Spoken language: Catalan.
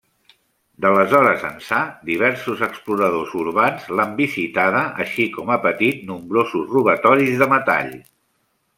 D'aleshores ençà, diversos exploradors urbans l'han visitada així com ha patit nombrosos robatoris de metall.